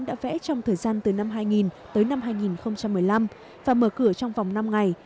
đã vẽ trong thời gian từ năm hai nghìn tới năm hai nghìn một mươi năm và mở cửa trong vòng năm ngày